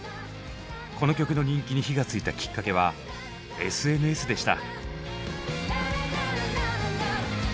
この曲の人気に火がついたきっかけはＳＮＳでした。